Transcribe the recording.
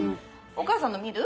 お母さんの見る？